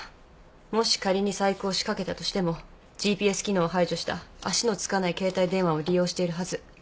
もし仮に細工を仕掛けたとしてもＧＰＳ機能を排除した足のつかない携帯電話を利用しているはず。